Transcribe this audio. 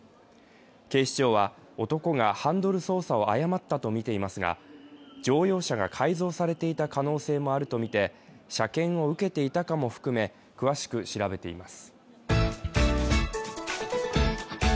警視庁は男がハンドル操作を誤ったとみていますが、乗用車が改造されていた可能性もあるとみて車検を受けていたかも含め詳しく調べています。